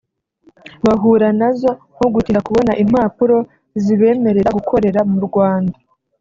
bahura nazo nko gutinda kubona impapuro zibemerera gukorera mu Rwanda